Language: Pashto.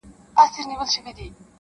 څو لفظونه مي د میني ورته ورکړه,